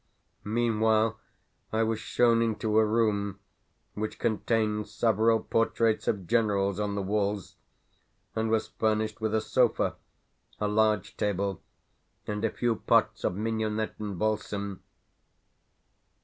Meanwhile, I was shown into a room which contained several portraits of generals on the walls and was furnished with a sofa, a large table, and a few pots of mignonette and balsam.